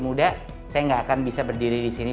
muda saya nggak akan bisa berdiri di sini